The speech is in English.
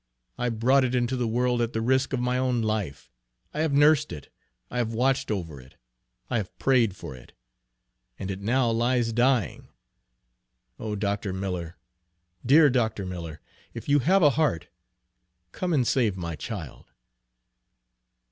I brought it into the world at the risk of my own life! I have nursed it, I have watched over it, I have prayed for it, and it now lies dying! Oh, Dr. Miller, dear Dr. Miller, if you have a heart, come and save my child!"